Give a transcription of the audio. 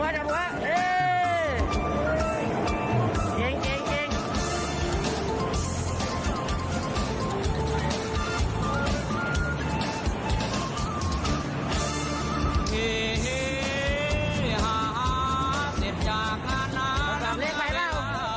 เฮ้เฮ้ฮ่าฮ่าเสร็จจากขนาดนั้น